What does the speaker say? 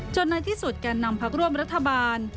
ในที่สุดแก่นำพักร่วมรัฐบาล